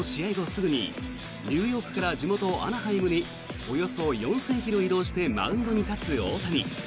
すぐにニューヨークから地元アナハイムにおよそ４０００ｋｍ移動してマウンドに立つ大谷。